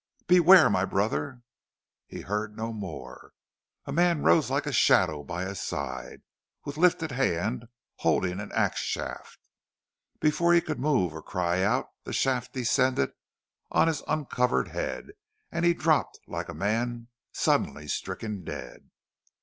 "Beware, my brother " He heard no more. A man rose like a shadow by his side, with lifted hand holding an ax shaft. Before he could move or cry out the shaft descended on his uncovered head and he dropped like a man suddenly stricken dead.